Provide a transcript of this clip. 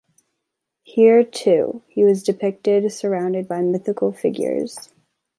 Here, too, he was depicted surrounded by mythical figures.